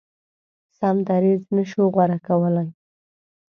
سم دریځ نه شو غوره کولای.